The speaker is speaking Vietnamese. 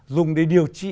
dùng để điều trị